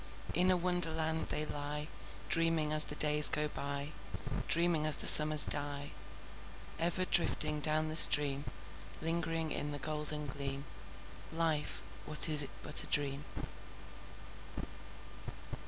In a Wonderland they lie, Dreaming as the days go by, Dreaming as the summers die: Ever drifting down the stream— Lingering in the golden gleam— Life, what is it but a dream?